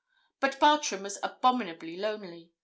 But Bartram was abominably lonely.